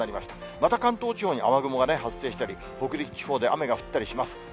また関東地方に雨雲が発生したり、北陸地方で雨が降ったりします。